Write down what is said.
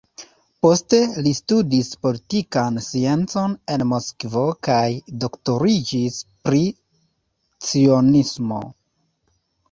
Poste li studis politikan sciencon en Moskvo kaj doktoriĝis pri cionismo.